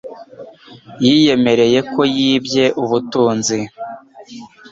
Yiyemereye ko yibye ubutunzi.